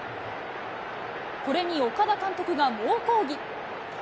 これに岡田監督が猛抗議。